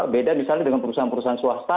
beda misalnya dengan perusahaan perusahaan swasta